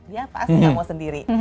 dia pasti gak mau sendiri